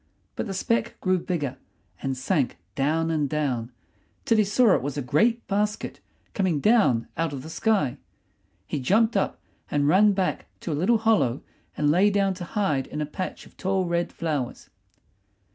But the speck grew bigger, and sank down and down, till he saw it was a great basket coming down out of the sky. He jumped up and ran back to a little hollow and lay down to hide in a patch of tall red flowers.